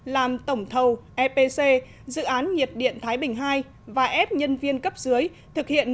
làm tổng thầu epc dự án nhiệt điện thái bình ii và ép nhân viên cấp dưới thực hiện